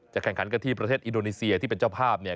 แข่งขันกันที่ประเทศอินโดนีเซียที่เป็นเจ้าภาพเนี่ย